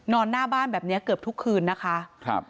หน้าบ้านแบบนี้เกือบทุกคืนนะคะ